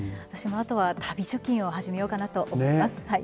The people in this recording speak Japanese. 旅貯金を始めようかなと思います。